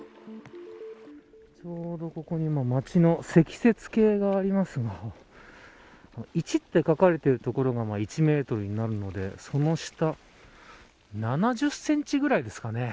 ちょうどここに町の積雪計がありますが１と書かれている所が１メートルになるのでその下７０センチぐらいですかね。